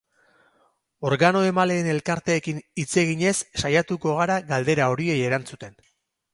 Organo emaleen elkarteekin hitz eginez saiatuko gara galdera horiei erantzuten.